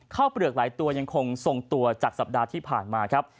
เปลือกหลายตัวยังคงทรงตัวจากสัปดาห์ที่ผ่านมาครับ